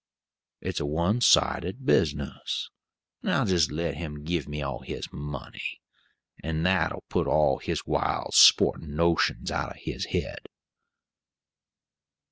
It's a one sided business, and I'll jist let him give me all his money, and that'll put all his wild sportin' notions out of his head."